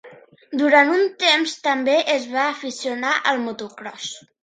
Durant un temps, també es va aficionar al motocròs.